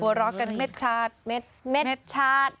เรากันเม็ดชาติเม็ดชาติ